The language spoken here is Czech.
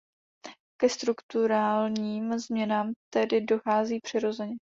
Ke strukturálním změnám tedy dochází přirozeně.